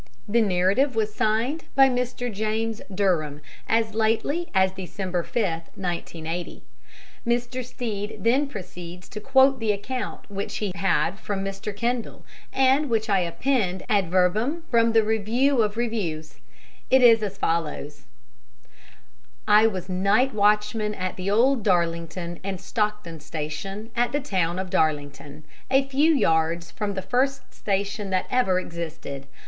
The narrative was signed by Mr. James Durham as lately as December 5th, 1890." Mr. Stead then proceeds to quote the account which he had from Mr. Kendall, and which I append ad verbum from the Review of Reviews. It is as follows: "I was night watchman at the old Darlington and Stockton Station at the town of Darlington, a few yards from the first station that ever existed.